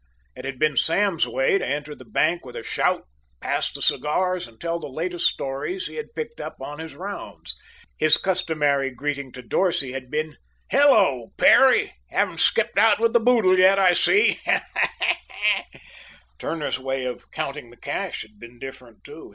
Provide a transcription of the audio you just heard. It had been Sam's way to enter the bank with a shout, pass the cigars, and tell the latest stories he had picked up on his rounds. His customary greeting to Dorsey had been, "Hello, Perry! Haven't skipped out with the boodle yet, I see." Turner's way of counting the cash had been different, too.